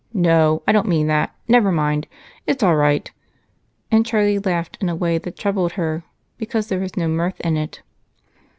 No I don't mean that never mind it's all right," and Charlie laughed in a way that troubled her, because there was no mirth in it.